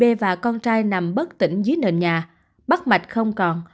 b và con trai nằm bất tỉnh dưới nền nhà bắt mạch không còn